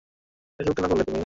এসব কেন করলে তুমি?